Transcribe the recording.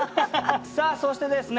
さあそしてですね